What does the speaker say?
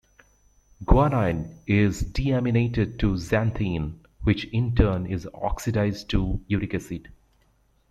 Guanine is deaminated to xanthine which in turn is oxidized to uric acid.